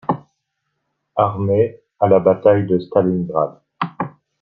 Armee à la bataille de Stalingrad.